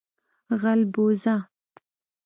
🐜 غلبوزه